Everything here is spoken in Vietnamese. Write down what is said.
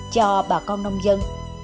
cho bà con nông dân